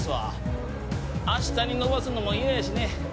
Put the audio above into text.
明日に延ばすのも嫌やしね。